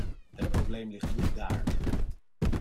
Het probleem ligt niet daar.